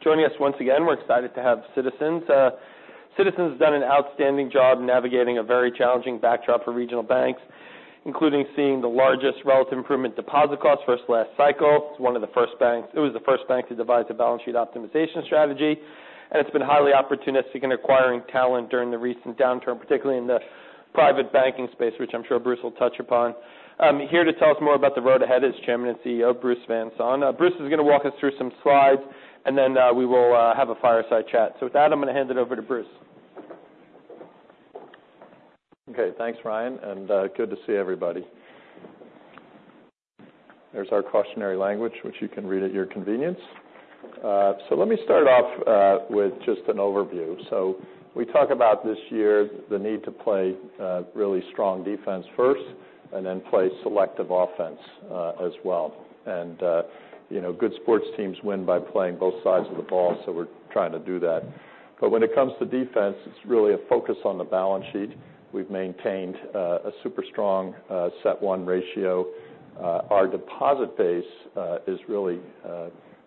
Joining us once again, we're excited to have Citizens. Citizens has done an outstanding job navigating a very challenging backdrop for regional banks, including seeing the largest relative improvement deposit costs versus last cycle. It's one of the first banks. It was the first bank to devise a balance sheet optimization strategy, and it's been highly opportunistic in acquiring talent during the recent downturn, particularly in the private banking space, which I'm sure Bruce will touch upon. Here to tell us more about the road ahead is Chairman and CEO, Bruce Van Saun. Bruce is going to walk us through some slides, and then, we will have a fireside chat. So with that, I'm going to hand it over to Bruce. Okay, thanks, Ryan, and good to see everybody. There's our cautionary language, which you can read at your convenience. So let me start off with just an overview. We talk about this year, the need to play really strong defense first, and then play selective offense as well. You know, good sports teams win by playing both sides of the ball, so we're trying to do that. But when it comes to defense, it's really a focus on the balance sheet. We've maintained a super strong CET1 ratio. Our deposit base has really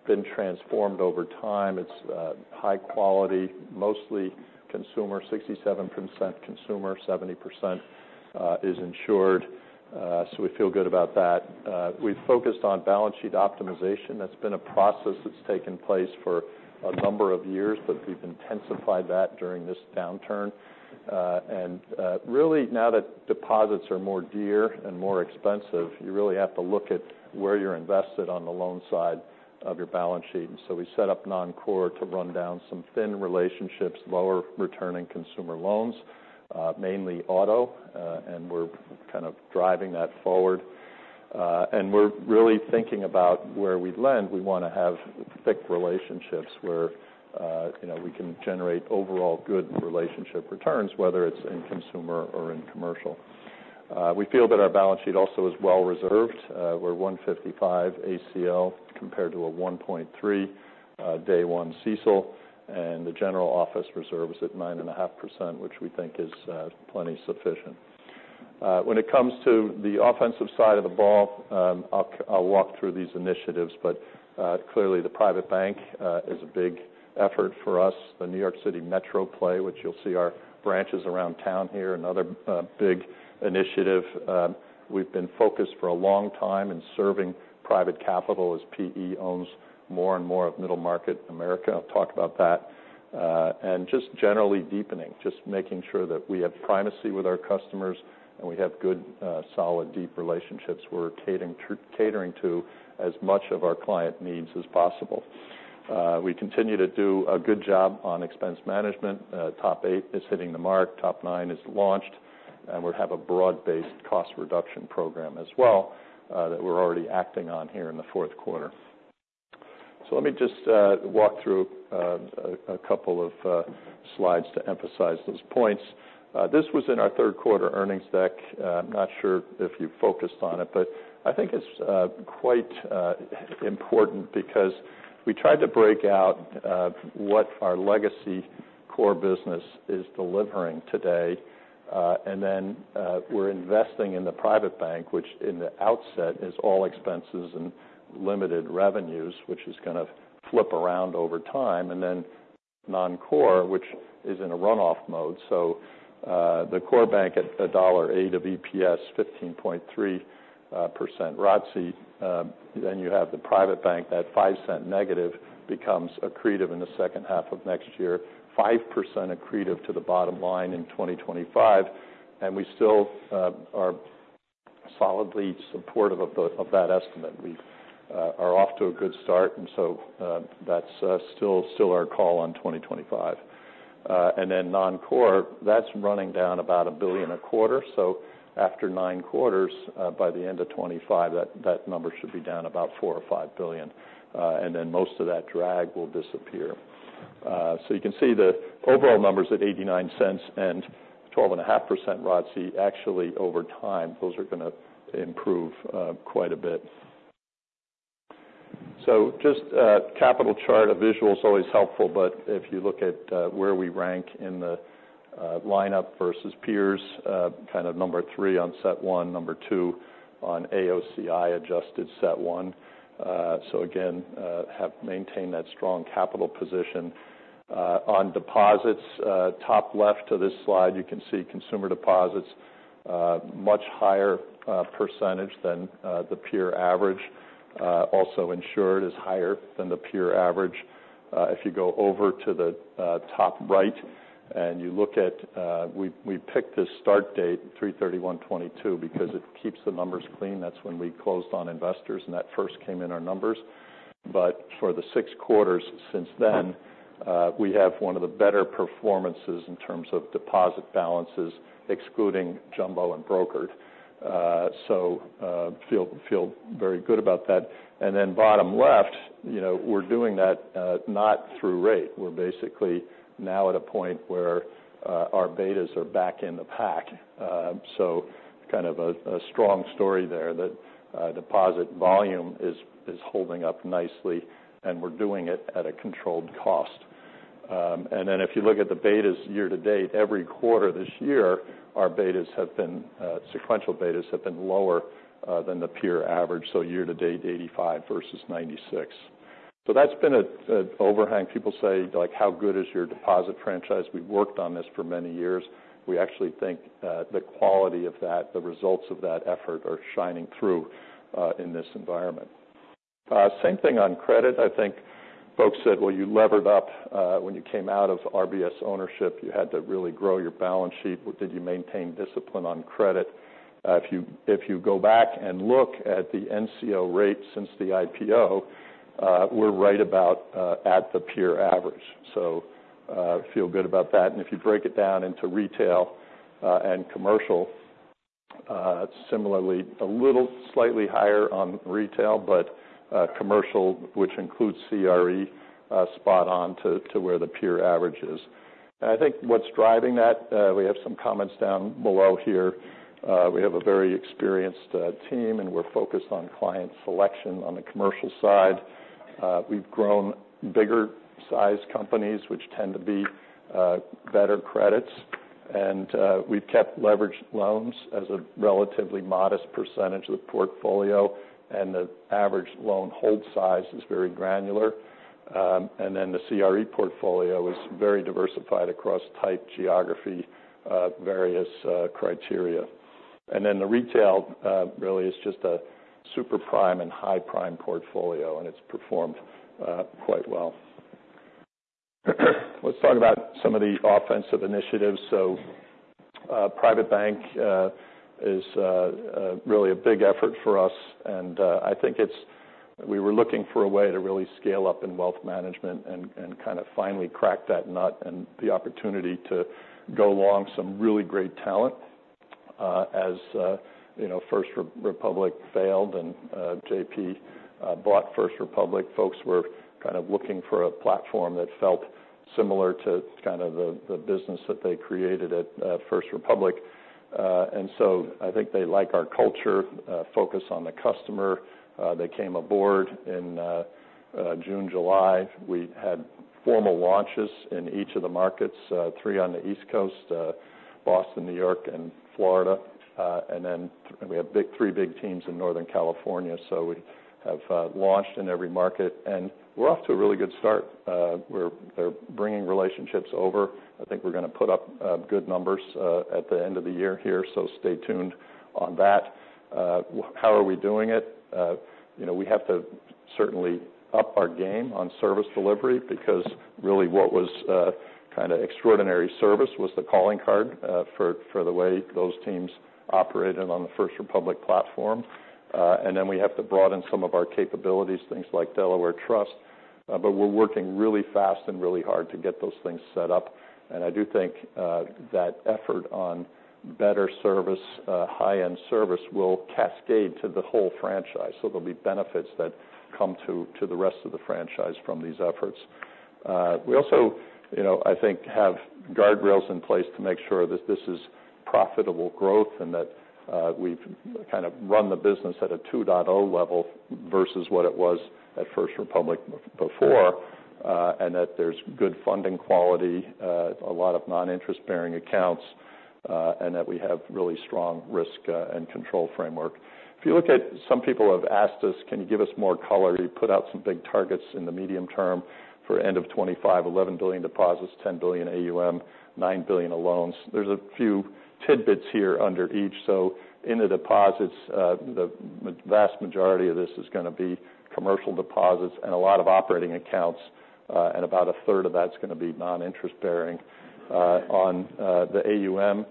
been transformed over time. It's high quality, mostly consumer, 67% consumer, 70% is insured, so we feel good about that. We've focused on balance sheet optimization. That's been a process that's taken place for a number of years, but we've intensified that during this downturn. And, really, now that deposits are more dear and more expensive, you really have to look at where you're invested on the loan side of your balance sheet. And so we set up non-core to run down some thin relationships, lower returning consumer loans, mainly auto, and we're kind of driving that forward. And we're really thinking about where we lend. We want to have thick relationships where, you know, we can generate overall good relationship returns, whether it's in consumer or in commercial. We feel that our balance sheet also is well reserved. We're 1.55 ACL compared to a 1.3 day one CECL, and the general office reserve is at 9.5%, which we think is plenty sufficient. When it comes to the offensive side of the ball, I'll walk through these initiatives, but clearly, the Private Bank is a big effort for us. The New York City metro play, which you'll see our branches around town here, another big initiative. We've been focused for a long time in serving Private Capital as PE owns more and more of Middle Market America. I'll talk about that. And just generally deepening, just making sure that we have primacy with our customers, and we have good solid, deep relationships. We're catering to as much of our client needs as possible. We continue to do a good job on expense management. TOP 8 is hitting the mark, TOP 9 is launched, and we have a broad-based cost reduction program as well, that we're already acting on here in the fourth quarter. So let me just walk through a couple of slides to emphasize those points. This was in our third quarter earnings deck. I'm not sure if you focused on it, but I think it's quite important because we tried to break out what our legacy core business is delivering today. And then we're investing in the private bank, which in the outset is all expenses and limited revenues, which is going to flip around over time. And then non-core, which is in a runoff mode. The core bank at $1.08 of EPS, 15.3% ROTCE. Then you have the private bank, that $0.05 negative becomes accretive in the second half of next year, 5% accretive to the bottom line in 2025. And we still are solidly supportive of the of that estimate. We are off to a good start, and so, that's still our call on 2025. And then non-core, that's running down about $1 billion a quarter. So after nine quarters, by the end of 2025, that number should be down about $4 billion-$5 billion, and then most of that drag will disappear. So you can see the overall numbers at $0.89 and 12.5% ROTCE. Actually, over time, those are going to improve quite a bit. So just a capital chart, a visual is always helpful, but if you look at where we rank in the lineup versus peers, kind of number 3 on CET1, number 2 on AOCI-adjusted CET1. So again, have maintained that strong capital position. On deposits, top left of this slide, you can see consumer deposits much higher percentage than the peer average. Also, insured is higher than the peer average. If you go over to the top right and you look at... We picked this start date, 3/31/2022, because it keeps the numbers clean. That's when we closed on Investors, and that first came in our numbers. But for the six quarters since then, we have one of the better performances in terms of deposit balances, excluding jumbo and brokered. So, feel, feel very good about that. And then bottom left, you know, we're doing that, not through rate. We're basically now at a point where our betas are back in the pack. So kind of a strong story there, that deposit volume is holding up nicely, and we're doing it at a controlled cost... and then if you look at the betas year to date, every quarter this year, our betas have been sequential betas have been lower than the peer average, so year to date, 85 versus 96. So that's been a overhang. People say, like, how good is your deposit franchise? We've worked on this for many years. We actually think the quality of that, the results of that effort are shining through in this environment. Same thing on credit. I think folks said, "Well, you levered up when you came out of RBS ownership, you had to really grow your balance sheet. Did you maintain discipline on credit?" If you go back and look at the NCO rate since the IPO, we're right about at the peer average, so feel good about that. And if you break it down into retail and commercial, similarly, a little slightly higher on retail, but commercial, which includes CRE, spot on to where the peer average is. And I think what's driving that, we have some comments down below here. We have a very experienced team, and we're focused on client selection on the commercial side. We've grown bigger-sized companies, which tend to be better credits, and we've kept leveraged loans as a relatively modest percentage of the portfolio, and the average loan hold size is very granular. And then the CRE portfolio is very diversified across type, geography, various criteria. And then the retail really is just a super prime and high prime portfolio, and it's performed quite well. Let's talk about some of the offensive initiatives. So, Private bank is really a big effort for us, and I think it's. We were looking for a way to really scale up in Wealth Management and kind of finally crack that nut and the opportunity to go along some really great talent. As you know, First Republic failed and J.P. bought First Republic, folks were kind of looking for a platform that felt similar to kind of the, the business that they created at First Republic. And so I think they like our culture, focus on the customer. They came aboard in June, July. We had formal launches in each of the markets, three on the East Coast, Boston, New York, and Florida. And then we have three big teams in Northern California, so we have launched in every market, and we're off to a really good start. We're, they're bringing relationships over. I think we're gonna put up good numbers at the end of the year here, so stay tuned on that. How are we doing it? You know, we have to certainly up our game on service delivery because really what was kind of extraordinary service was the calling card for the way those teams operated on the First Republic platform. And then we have to broaden some of our capabilities, things like Delaware Trust. But we're working really fast and really hard to get those things set up. And I do think that effort on better service, high-end service, will cascade to the whole franchise. So there'll be benefits that come to the rest of the franchise from these efforts. We also, you know, I think, have guardrails in place to make sure that this is profitable growth and that, we've kind of run the business at a 2.0 level versus what it was at First Republic before, and that there's good funding quality, a lot of non-interest-bearing accounts, and that we have really strong risk, and control framework. If you look at... Some people have asked us, "Can you give us more color? You put out some big targets in the medium term for end of 2025, $11 billion deposits, $10 billion AUM, $9 billion of loans." There's a few tidbits here under each. So in the deposits, the vast majority of this is gonna be commercial deposits and a lot of operating accounts, and about a third of that's gonna be non-interest-bearing. On the AUM,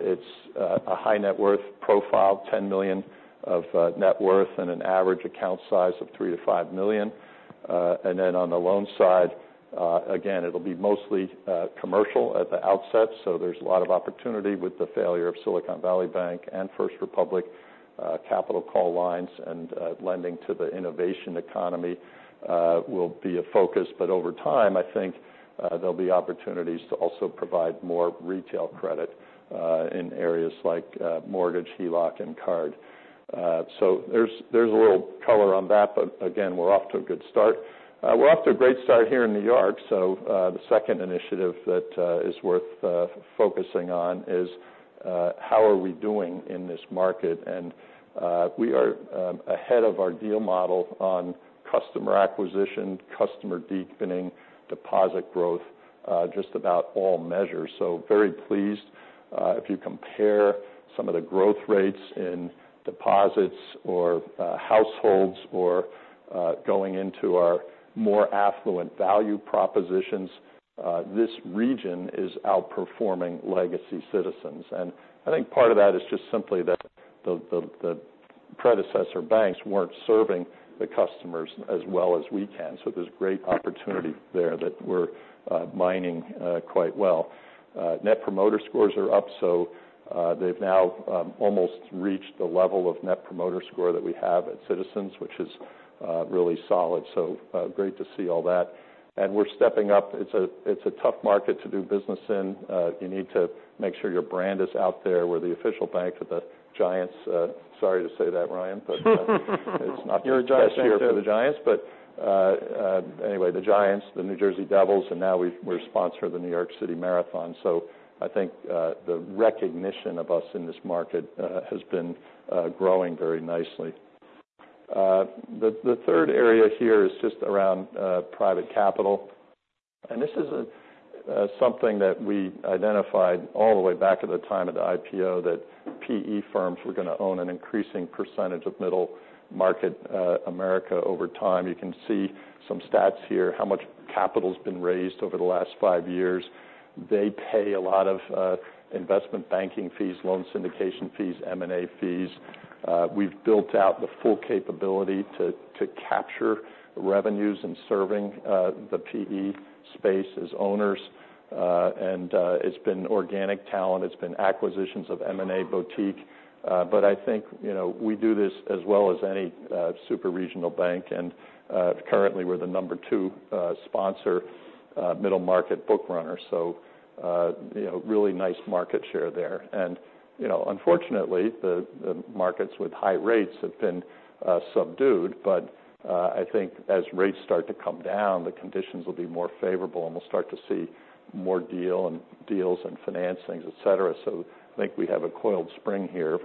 it's a high net worth profile, $10 million of net worth and an average account size of $3 million-$5 million. And then on the loan side, again, it'll be mostly commercial at the outset, so there's a lot of opportunity with the failure of Silicon Valley Bank and First Republic, capital call lines and lending to the innovation economy, will be a focus. But over time, I think, there'll be opportunities to also provide more retail credit in areas like mortgage, HELOC, and card. So there's a little color on that, but again, we're off to a good start. We're off to a great start here in New York. So, the second initiative that is worth focusing on is: How are we doing in this market? And, we are ahead of our deal model on customer acquisition, customer deepening, deposit growth, just about all measures. So very pleased. If you compare some of the growth rates in deposits or, households or, going into our more affluent value propositions, this region is outperforming legacy Citizens. And I think part of that is just simply that the predecessor banks weren't serving the customers as well as we can. So there's great opportunity there that we're mining quite well. Net Promoter Scores are up, so, they've now almost reached the level of net promoter score that we have at Citizens, which is really solid. So, great to see all that. We're stepping up. It's a tough market to do business in. You need to make sure your brand is out there. We're the official bank of the Giants. Sorry to say that, Ryan. But anyway, the Giants, the New Jersey Devils, and now we sponsor the New York City Marathon. So I think the recognition of us in this market has been growing very nicely. The third area here is just around Private Capital. And this is something that we identified all the way back at the time of the IPO, that PE firms were gonna own an increasing percentage of middle market America over time. You can see some stats here, how much capital's been raised over the last five years. They pay a lot of investment banking fees, loan syndication fees, M&A fees. We've built out the full capability to capture revenues in serving the PE space as owners. And it's been organic talent, it's been acquisitions of M&A boutique. But I think, you know, we do this as well as any super-regional bank, and currently, we're the number 2 sponsor middle-market book runner, so you know, really nice market share there. And you know, unfortunately, the markets with high rates have been subdued, but I think as rates start to come down, the conditions will be more favorable, and we'll start to see more deals and financings, et cetera. So I think we have a coiled spring here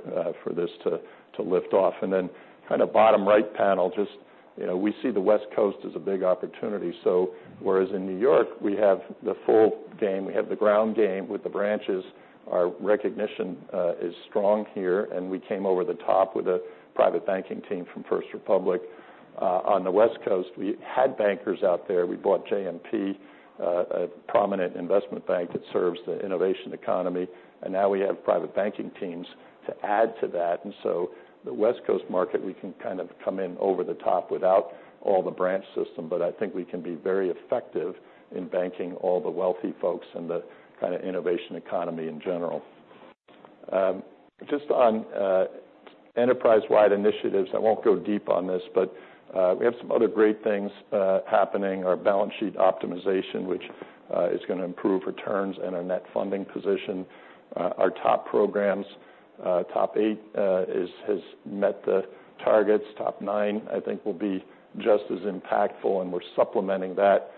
for this to lift off. And then kind of bottom right panel, just, you know, we see the West Coast as a big opportunity. So whereas in New York, we have the full game, we have the ground game with the branches, our recognition is strong here, and we came over the top with a private banking team from First Republic. On the West Coast, we had bankers out there. We bought JMP, a prominent investment bank that serves the innovation economy, and now we have private banking teams to add to that. And so the West Coast market, we can kind of come in over the top without all the branch system, but I think we can be very effective in banking all the wealthy folks and the kind of innovation economy in general. Just on enterprise-wide initiatives, I won't go deep on this, but we have some other great things happening. Our balance sheet optimization, which is gonna improve returns and our net funding position. Our top programs, TOP 8, has met the targets. TOP 9, I think, will be just as impactful, and we're supplementing that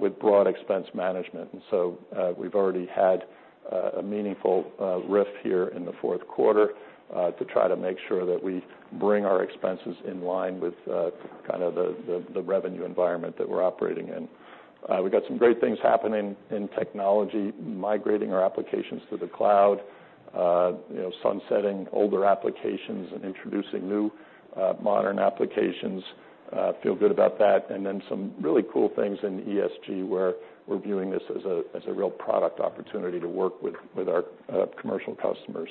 with broad expense management. So, we've already had a meaningful RIF here in the fourth quarter to try to make sure that we bring our expenses in line with kind of the revenue environment that we're operating in. We've got some great things happening in technology, migrating our applications to the cloud, you know, sunsetting older applications and introducing new modern applications. Feel good about that. And then some really cool things in ESG, where we're viewing this as a real product opportunity to work with our commercial customers.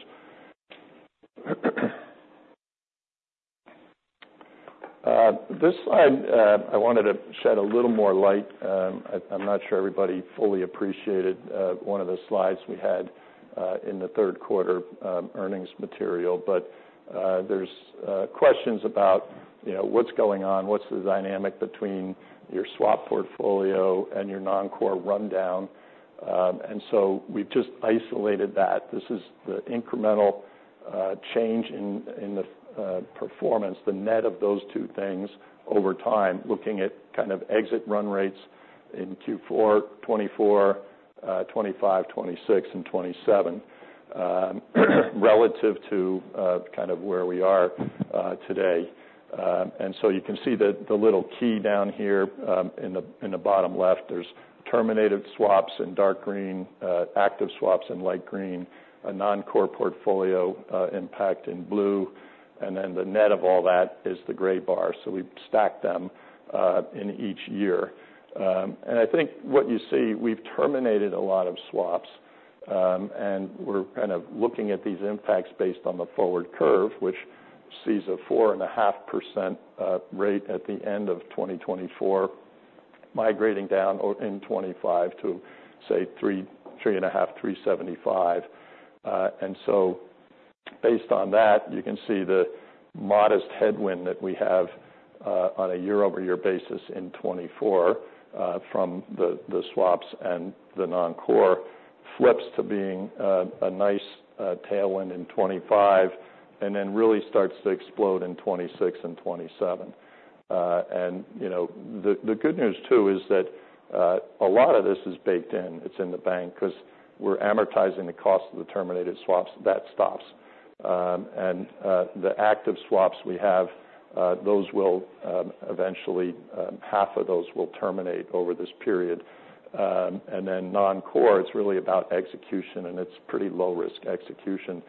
This slide, I wanted to shed a little more light. I'm not sure everybody fully appreciated one of the slides we had in the third quarter earnings material. But there's questions about, you know, what's going on, what's the dynamic between your swap portfolio and your non-core rundown? And so we've just isolated that. This is the incremental change in the performance, the net of those two things over time, looking at kind of exit run rates in Q4 2024, 2025, 2026, and 2027, relative to kind of where we are today. And so you can see the, the little key down here, in the, in the bottom left. There's terminated swaps in dark green, active swaps in light green, a non-core portfolio, impact in blue, and then the net of all that is the gray bar. So we've stacked them, in each year. And I think what you see, we've terminated a lot of swaps, and we're kind of looking at these impacts based on the forward curve, which sees a 4.5% rate at the end of 2024, migrating down in 2025 to, say, 3%, 3.5%, 3.75%. And so based on that, you can see the modest headwind that we have on a year-over-year basis in 2024 from the swaps and the non-core flips to being a nice tailwind in 2025, and then really starts to explode in 2026 and 2027. And you know the good news, too, is that a lot of this is baked in. It's in the bank because we're amortizing the cost of the terminated swaps. That stops. And the active swaps we have, those will eventually half of those will terminate over this period. And then non-core, it's really about execution, and it's pretty low-risk execution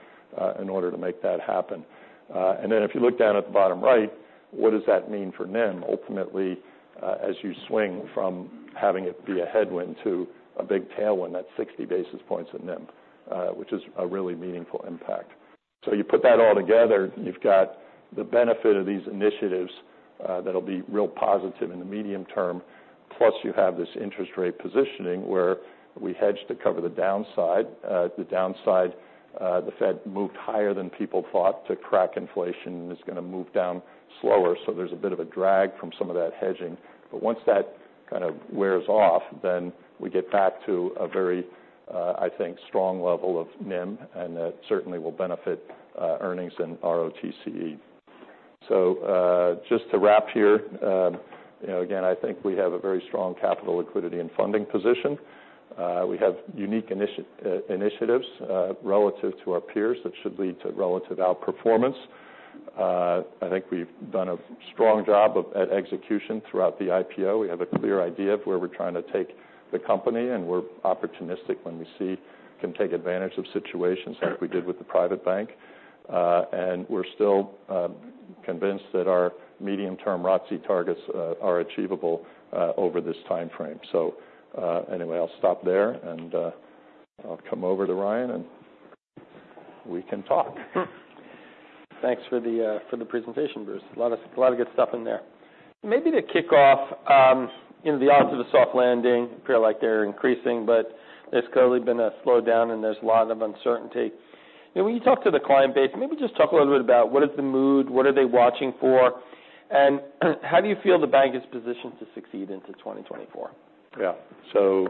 in order to make that happen. And then if you look down at the bottom right, what does that mean for NIM? Ultimately, as you swing from having it be a headwind to a big tailwind, that's 60 basis points in NIM, which is a really meaningful impact. So you put that all together, you've got the benefit of these initiatives, that'll be real positive in the medium term. Plus, you have this interest rate positioning, where we hedge to cover the downside. The downside, the Fed moved higher than people thought to crack inflation, and it's gonna move down slower, so there's a bit of a drag from some of that hedging. But once that kind of wears off, then we get back to a very, I think, strong level of NIM, and that certainly will benefit, earnings and ROTCE. So, just to wrap here, you know, again, I think we have a very strong capital, liquidity, and funding position. We have unique initiatives relative to our peers that should lead to relative outperformance. I think we've done a strong job at execution throughout the IPO. We have a clear idea of where we're trying to take the company, and we're opportunistic when we see we can take advantage of situations like we did with the private bank. And we're still convinced that our medium-term ROTCE targets are achievable over this time frame. So anyway, I'll stop there, and I'll come over to Ryan, and we can talk. Thanks for the presentation, Bruce. A lot of, a lot of good stuff in there. Maybe to kick off, you know, the odds of a soft landing appear like they're increasing, but there's clearly been a slowdown, and there's a lot of uncertainty. You know, when you talk to the client base, maybe just talk a little bit about what is the mood, what are they watching for, and how do you feel the bank is positioned to succeed into 2024? Yeah. So,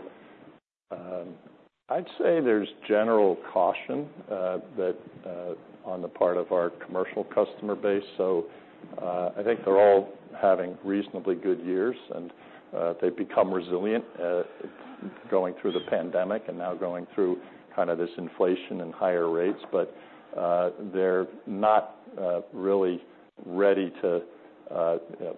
I'd say there's general caution on the part of our commercial customer base. So, I think they're all having reasonably good years, and they've become resilient, going through the pandemic and now going through kind of this inflation and higher rates. But, they're not really ready to, you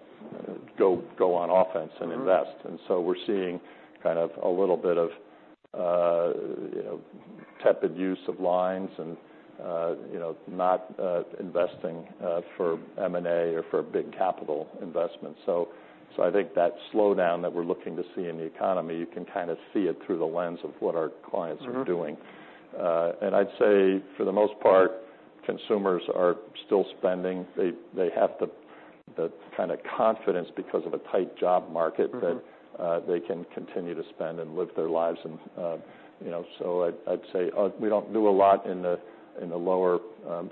know, go on offense and invest. Mm-hmm. And so we're seeing kind of a little bit of, you know, tepid use of lines and, you know, not investing for M&A or for big capital investments. So I think that slowdown that we're looking to see in the economy, you can kind of see it through the lens of what our clients are doing. Mm-hmm. I'd say, for the most part, consumers are still spending. They have the kind of confidence because of a tight job market- Mm-hmm... they can continue to spend and live their lives and, you know. So I'd, I'd say, we don't do a lot in the, in the lower,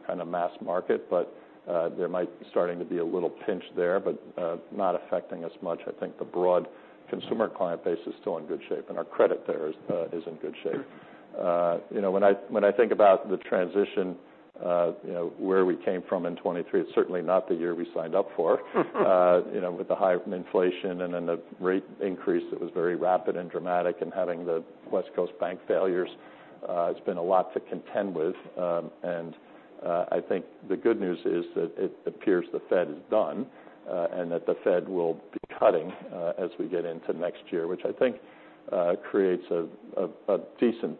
kind of mass market, but, there might be starting to be a little pinch there, but, not affecting us much. I think the broad consumer client base is still in good shape, and our credit there is, is in good shape. Mm-hmm. You know, when I, when I think about the transition, you know, where we came from in 2023, it's certainly not the year we signed up for. You know, with the high inflation and then the rate increase that was very rapid and dramatic, and having the West Coast bank failures, it's been a lot to contend with. And, I think the good news is that it appears the Fed is done, and that the Fed will be cutting, as we get into next year, which I think creates a decent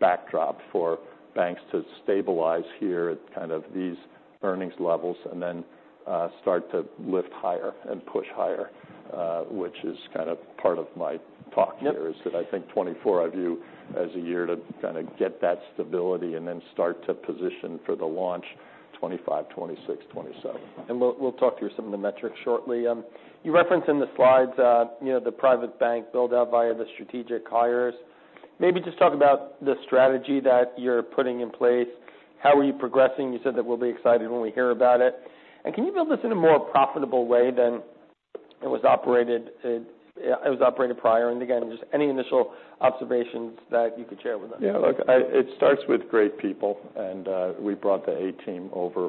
backdrop for banks to stabilize here at kind of these earnings levels and then, start to lift higher and push higher, which is kind of part of my talk here- Yep... is that I think 2024 I view as a year to kind of get that stability and then start to position for the launch, 2025, 2026, 2027. And we'll talk through some of the metrics shortly. You referenced in the slides, you know, the Private Bank build-out via the strategic hires. Maybe just talk about the strategy that you're putting in place. How are you progressing? You said that we'll be excited when we hear about it. And can you build this in a more profitable way than it was operated prior? And again, just any initial observations that you could share with us. Yeah, look, it starts with great people, and we brought the A team over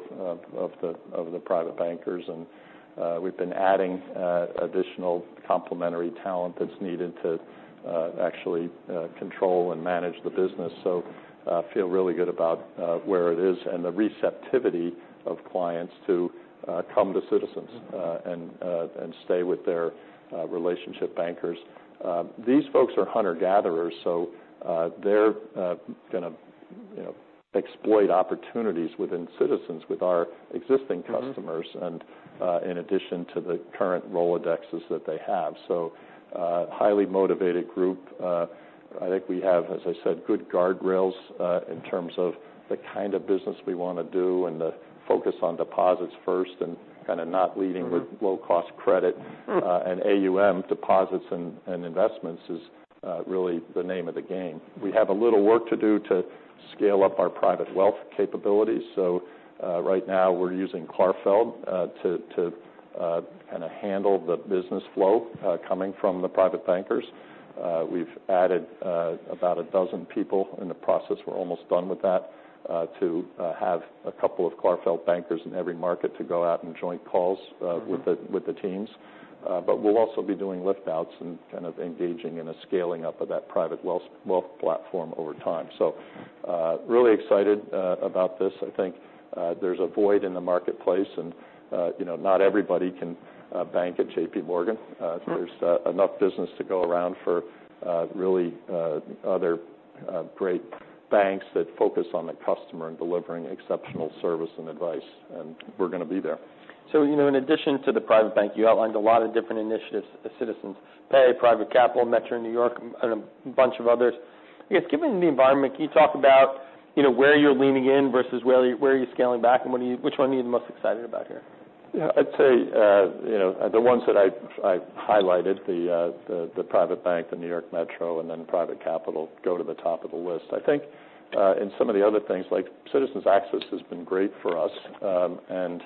of the private bankers. And we've been adding additional complementary talent that's needed to actually control and manage the business. So, feel really good about where it is and the receptivity of clients to come to Citizens- Mm-hmm... and stay with their relationship bankers. These folks are hunter-gatherers, so they're gonna, you know, exploit opportunities within Citizens with our existing customers- Mm-hmm... and, in addition to the current Rolodexes that they have. So, highly motivated group. I think we have, as I said, good guardrails, in terms of the kind of business we want to do and the focus on deposits first and kind of not leading- Mm-hmm... with low-cost credit. Mm-hmm. And AUM deposits and, and investments is really the name of the game. We have a little work to do to scale up our private wealth capabilities. So, right now, we're using Clarfeld to, to kind of handle the business flow coming from the private bankers. We've added about a dozen people in the process, we're almost done with that, to have a couple of Clarfeld bankers in every market to go out and joint calls. Mm-hmm... with the, with the teams. But we'll also be doing lift outs and kind of engaging in a scaling up of that Private Wealth Platform over time. So, really excited about this. I think there's a void in the marketplace, and you know, not everybody can bank at J.P. Morgan. Mm-hmm. There's enough business to go around for really other great banks that focus on the customer and delivering exceptional service and advice, and we're gonna be there. So, you know, in addition to the private bank, you outlined a lot of different initiatives at Citizens: Pay, Private Capital, Metro New York, and a bunch of others. I guess, given the environment, can you talk about, you know, where you're leaning in versus where you, where you're scaling back, and what are you—which one are you the most excited about here? Yeah. I'd say, you know, the ones that I've highlighted, the private bank, the New York Metro, and then Private Capital go to the top of the list. I think, in some of the other things, like Citizens Access has been great for us, and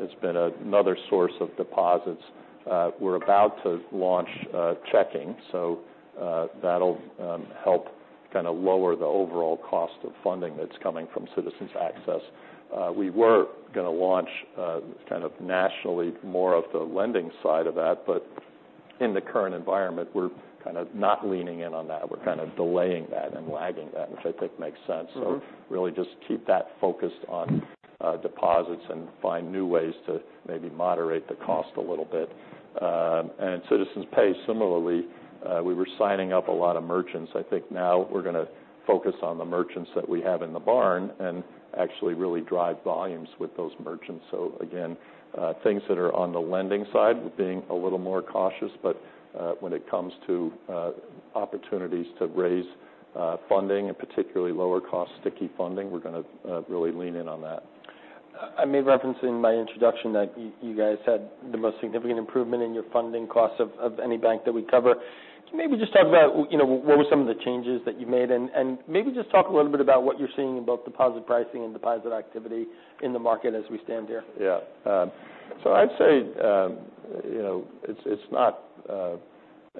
it's been another source of deposits. We're about to launch checking, so that'll help kind of lower the overall cost of funding that's coming from Citizens Access. We were gonna launch kind of nationally, more of the lending side of that, but in the current environment, we're kind of not leaning in on that. We're kind of delaying that and lagging that, which I think makes sense. Mm-hmm. So really just keep that focused on deposits and find new ways to maybe moderate the cost a little bit. And Citizens Pay, similarly, we were signing up a lot of merchants. I think now we're gonna focus on the merchants that we have in the barn and actually really drive volumes with those merchants. So again, things that are on the lending side, we're being a little more cautious, but when it comes to opportunities to raise funding, and particularly lower cost sticky funding, we're gonna really lean in on that. I made reference in my introduction that you guys had the most significant improvement in your funding costs of any bank that we cover. Can you maybe just talk about, you know, what were some of the changes that you made? And maybe just talk a little bit about what you're seeing in both deposit pricing and deposit activity in the market as we stand here. Yeah. So I'd say, you know, it's not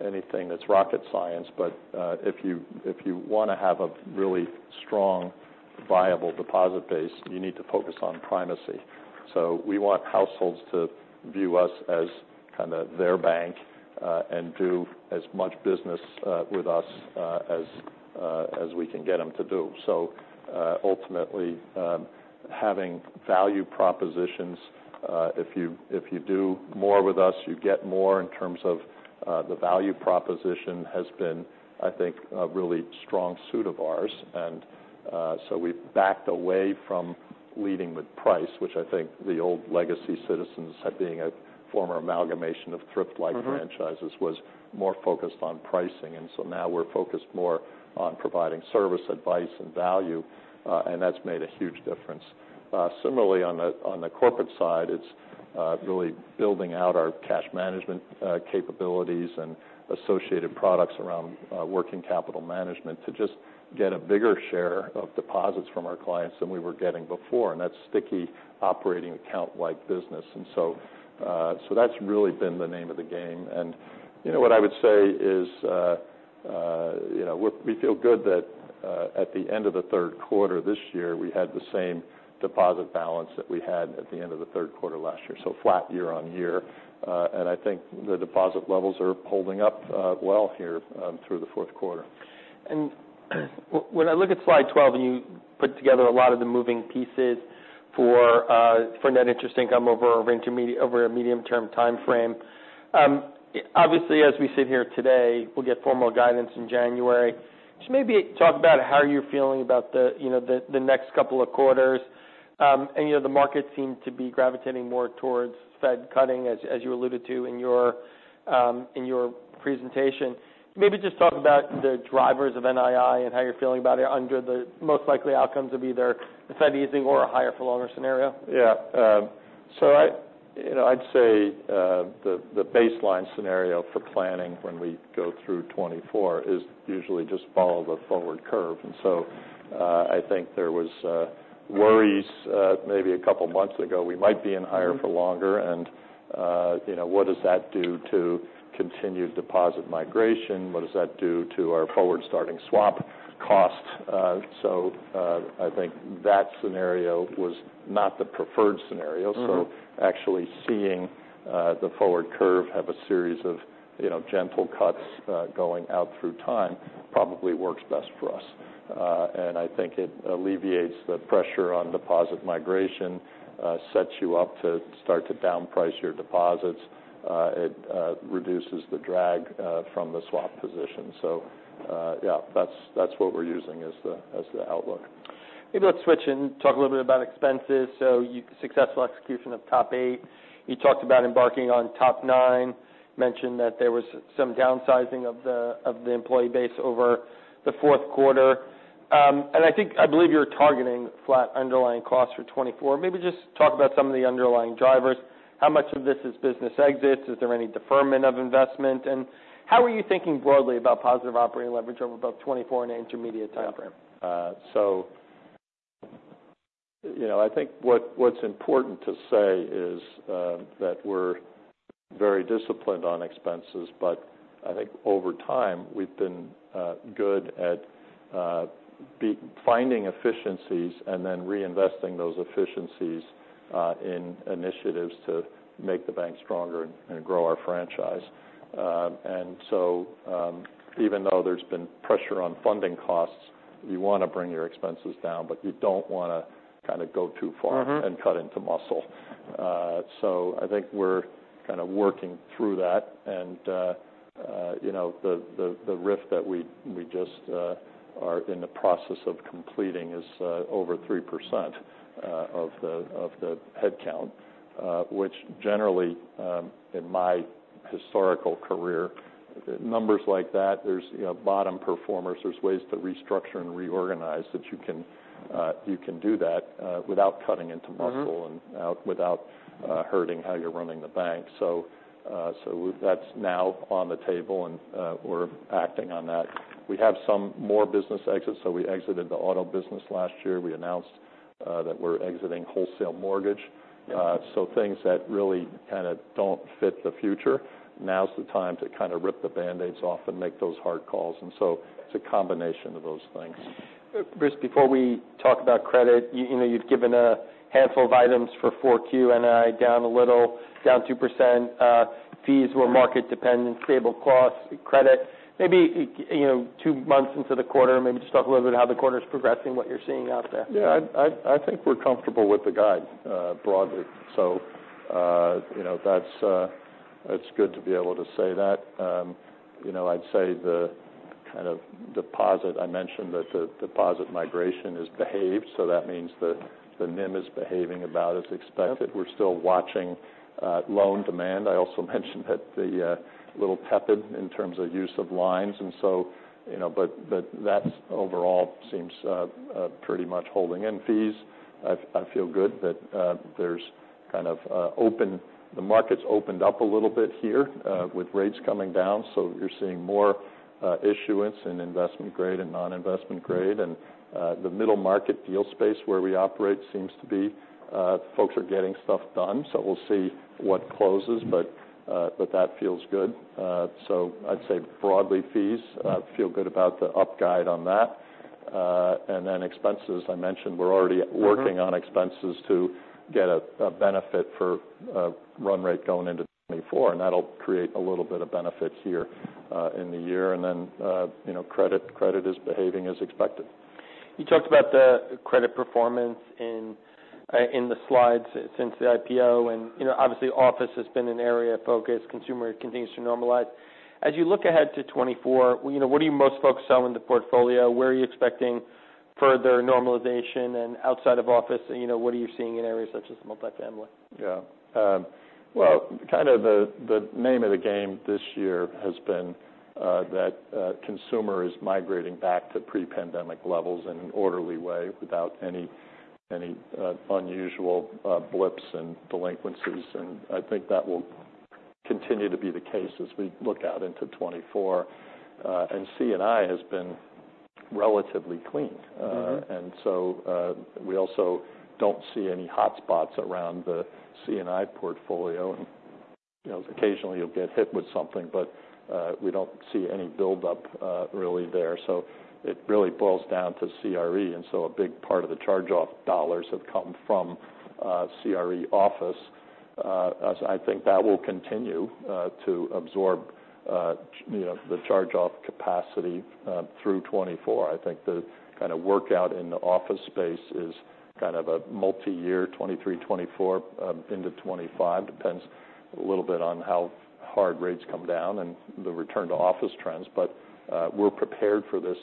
anything that's rocket science, but, if you, if you want to have a really strong, viable deposit base, you need to focus on primacy. So we want households to view us as kind of their bank, and do as much business, with us, as we can get them to do. So, ultimately, having value propositions, if you, if you do more with us, you get more in terms of, the value proposition has been, I think, a really strong suit of ours. And, so we've backed away from leading with price, which I think the old legacy Citizens, being a former amalgamation of thrift-like- Mm-hmm franchises, was more focused on pricing. And so now we're focused more on providing service, advice, and value, and that's made a huge difference. Similarly, on the corporate side, it's really building out our cash management capabilities and associated products around working capital management to just get a bigger share of deposits from our clients than we were getting before, and that's sticky operating account-like business. And so, so that's really been the name of the game. And, you know, what I would say is, you know, we, we feel good that at the end of the third quarter this year, we had the same deposit balance that we had at the end of the third quarter last year, so flat year-over-year. I think the deposit levels are holding up well here through the fourth quarter. When I look at slide 12, and you put together a lot of the moving pieces for net interest income over a medium-term time frame. Obviously, as we sit here today, we'll get formal guidance in January. Just maybe talk about how you're feeling about the, you know, the next couple of quarters. And, you know, the market seemed to be gravitating more towards Fed cutting, as you alluded to in your presentation. Maybe just talk about the drivers of NII and how you're feeling about it under the most likely outcomes of either a Fed easing or a higher for longer scenario. Yeah. So I, you know, I'd say the baseline scenario for planning when we go through 2024 is usually just follow the forward curve. And so, I think there was worries maybe a couple of months ago, we might be in higher- Mm-hmm... for longer, and, you know, what does that do to continued deposit migration? What does that do to our forward-starting swap cost? So, I think that scenario was not the preferred scenario. Mm-hmm. So actually seeing the forward curve have a series of, you know, gentle cuts going out through time, probably works best for us. And I think it alleviates the pressure on deposit migration, sets you up to start to downprice your deposits. It reduces the drag from the swap position. So yeah, that's, that's what we're using as the outlook. Maybe let's switch and talk a little bit about expenses. So successful execution of TOP 8. You talked about embarking on TOP 9, mentioned that there was some downsizing of the employee base over the fourth quarter. And I think, I believe you're targeting flat underlying costs for 2024. Maybe just talk about some of the underlying drivers. How much of this is business exits? Is there any deferment of investment? And how are you thinking broadly about positive operating leverage over both 2024 and the intermediate time frame? Yeah. So, you know, I think what's important to say is that we're very disciplined on expenses, but I think over time, we've been good at finding efficiencies and then reinvesting those efficiencies in initiatives to make the bank stronger and grow our franchise. And so, even though there's been pressure on funding costs, you want to bring your expenses down, but you don't want to kind of go too far- Mm-hmm... and cut into muscle. So I think we're kind of working through that. And you know, the RIF that we just are in the process of completing is over 3% of the headcount, which generally, in my historical career, numbers like that, there's you know, bottom performers, there's ways to restructure and reorganize, that you can you can do that without cutting into muscle- Mm-hmm... and without hurting how you're running the bank. So, so that's now on the table, and we're acting on that. We have some more business exits, so we exited the auto business last year. We announced... that we're exiting wholesale mortgage. So things that really kind of don't fit the future, now's the time to kind of rip the band-aids off and make those hard calls. And so it's a combination of those things. Bruce, before we talk about credit, you know, you've given a handful of items for 4Q, and NII down a little, down 2%. Fees were market-dependent, stable costs, credit. Maybe, you know, two months into the quarter, maybe just talk a little bit how the quarter is progressing, what you're seeing out there. Yeah, I think we're comfortable with the guide, broadly. So, you know, that's good to be able to say that. You know, I'd say the kind of deposit I mentioned, that the deposit migration is behaved, so that means the NIM is behaving about as expected. Yep. We're still watching loan demand. I also mentioned that it's a little tepid in terms of use of lines and so, you know, but that's overall seems pretty much holding in fees. I feel good that the market's opened up a little bit here with rates coming down, so you're seeing more issuance in Investment Grade and non-Investment Grade. And the middle market deal space where we operate seems to be folks are getting stuff done, so we'll see what closes. But that feels good. So I'd say broadly, fees feel good about the up guide on that. And then expenses, I mentioned, we're already- Mm-hmm... working on expenses to get a benefit for run rate going into 2024, and that'll create a little bit of benefit here in the year. And then, you know, credit, credit is behaving as expected. You talked about the credit performance in the slides since the IPO, and, you know, obviously, office has been an area of focus. Consumer continues to normalize. As you look ahead to 2024, you know, what are you most focused on in the portfolio? Where are you expecting further normalization? And outside of office, you know, what are you seeing in areas such as multifamily? Yeah. Well, kind of the name of the game this year has been that consumer is migrating back to pre-pandemic levels in an orderly way without any unusual blips and delinquencies. And I think that will continue to be the case as we look out into 2024. And C&I has been relatively clean. Mm-hmm. And so, we also don't see any hotspots around the C&I portfolio. And, you know, occasionally, you'll get hit with something, but, we don't see any buildup, really there. So it really boils down to CRE, and so a big part of the charge-off dollars have come from, CRE office. As I think that will continue, to absorb, you know, the charge-off capacity, through 2024. I think the kind of workout in the office space is kind of a multi-year, 2023, 2024, into 2025. Depends a little bit on how hard rates come down and the return to office trends, but, we're prepared for this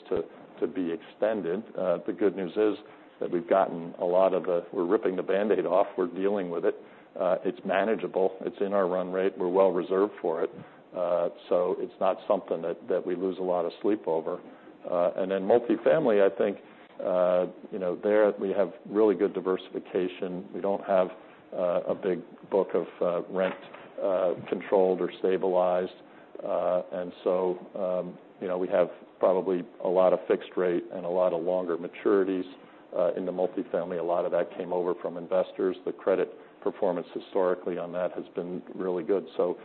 to be extended. The good news is that we've gotten a lot of the. We're ripping the band-aid off. We're dealing with it. It's manageable. It's in our run rate. We're well reserved for it. So it's not something that, that we lose a lot of sleep over. And then multifamily, I think, you know, there we have really good diversification. We don't have a big book of rent controlled or stabilized. And so, you know, we have probably a lot of fixed rate and a lot of longer maturities in the Multifamily. A lot of that came over from Investors. The credit performance historically on that has been really good. So,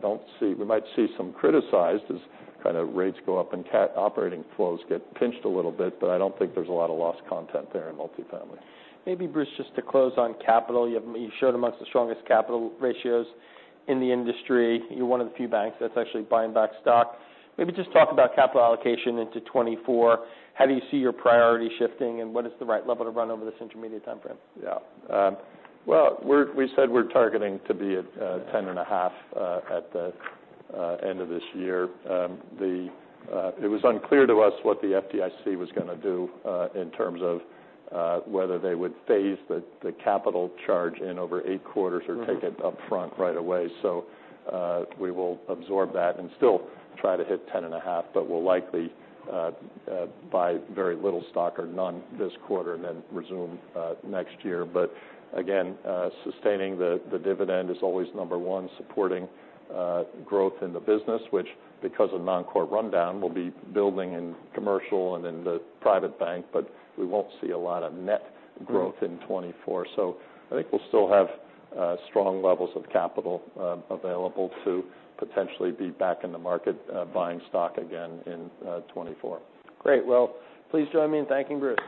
don't see—We might see some criticized as kind of rates go up and operating flows get pinched a little bit, but I don't think there's a lot of lost content there in Multifamily. Maybe, Bruce, just to close on capital. You have- you showed among the strongest capital ratios in the industry. You're one of the few banks that's actually buying back stock. Maybe just talk about capital allocation into 2024. How do you see your priority shifting, and what is the right level to run over this intermediate timeframe? Yeah. Well, we're- we said we're targeting to be at 10.5 at the end of this year. It was unclear to us what the FDIC was gonna do, in terms of whether they would phase the capital charge in over 8 quarters- Mm-hmm... or take it upfront right away. So, we will absorb that and still try to hit 10.5, but we'll likely buy very little stock or none this quarter and then resume next year. But again, sustaining the dividend is always number one, supporting growth in the business, which, because of non-core rundown, will be building in commercial and in the private bank, but we won't see a lot of net growth- Mm-hmm... in 2024. So I think we'll still have strong levels of capital available to potentially be back in the market buying stock again in 2024. Great. Well, please join me in thanking Bruce.